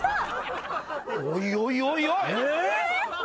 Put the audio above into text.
おいおいおいおい。